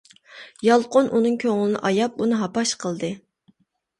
يالقۇن ئۇنىڭ كۆڭلىنى ئاياپ ئۇنى ھاپاش قىلدى.